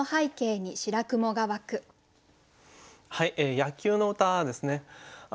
野球の歌ですね。